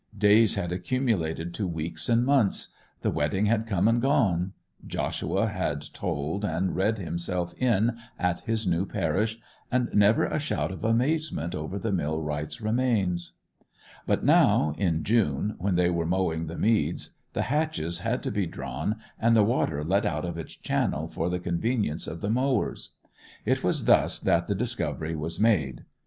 Days had accumulated to weeks and months; the wedding had come and gone: Joshua had tolled and read himself in at his new parish; and never a shout of amazement over the millwright's remains. But now, in June, when they were mowing the meads, the hatches had to be drawn and the water let out of its channels for the convenience of the mowers. It was thus that the discovery was made.